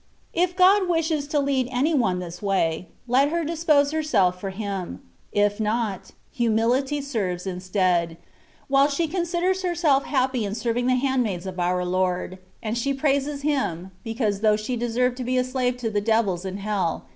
If God wishes to lead any one this way, let her dispose herself for Him ; if not, humility serves instead, while she considers herself happy in serving the handmaids of our Lord; and she praises Him,, because though she deserved to be. a slave to the devils in hell.